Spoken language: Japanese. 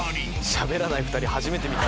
しゃべらない２人初めて見た。